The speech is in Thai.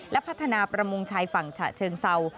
และพัฒนาประมงชายฝั่งฉะเชิงเศร้า